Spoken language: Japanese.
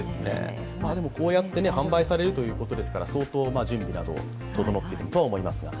でも、こうやって販売されるということですから、相当、準備など整っていると思います。